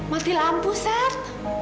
mati lampu sat